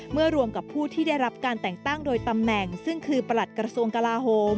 รวมกับผู้ที่ได้รับการแต่งตั้งโดยตำแหน่งซึ่งคือประหลัดกระทรวงกลาโฮม